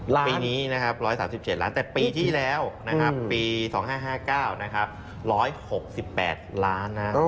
ปีนี้นะครับ๑๓๗ล้านแต่ปีที่แล้วนะครับปี๒๕๕๙นะครับ๑๖๘ล้านนะ